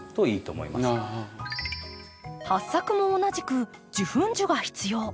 ハッサクも同じく受粉樹が必要。